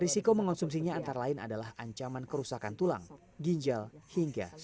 risiko mengonsumsinya antara lain adalah ancaman kerusakan tulang ginjal hingga su sacrificed arm